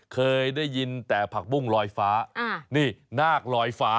เคยได้ยินแต่ผักบุ้งลอยฟ้านี่นาคลอยฟ้า